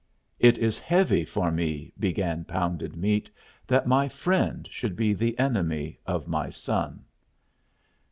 "It is heavy for me," began Pounded Meat, "that my friend should be the enemy of my son."